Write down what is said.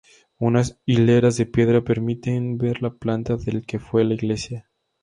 Unas hileras de piedra permiten ver la planta del que fue la iglesia.